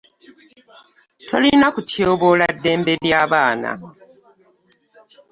Tolina kutyoboola ddembe lya baana.